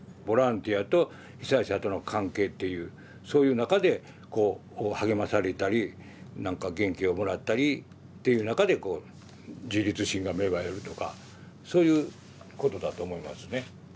ボランティアと被災者との関係っていうそういう中でこう励まされたりなんか元気をもらったりっていう中で自立心が芽生えるとかそういうことだと思いますね。